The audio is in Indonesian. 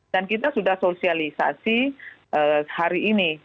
dan kita sudah sosialisasi hari ini